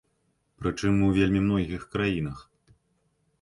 Прычым у вельмі многіх краінах.